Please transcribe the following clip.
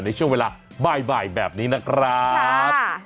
ในช่วงเวลาบ่ายแบบนี้นะครับ